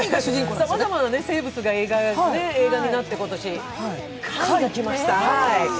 さまざまな生物が映画になって、今年、貝が来ました。